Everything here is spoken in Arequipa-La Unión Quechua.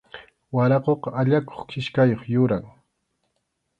Waraquqa allakuq kichkayuq yuram.